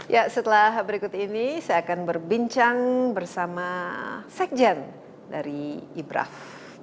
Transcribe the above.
ya setelah berikut ini saya akan berbincang bersama sekjen dari ibraf